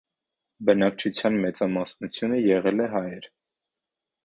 Բնակչության մեծամասնությունը եղել է հայեր։